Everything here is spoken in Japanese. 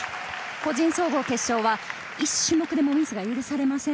個人総合決勝は１種目でもミスが許されません。